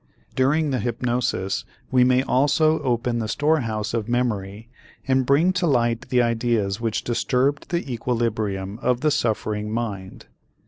During the hypnosis we may also open the storehouse of memory and bring to light the ideas which disturbed the equilibrium of the suffering mind.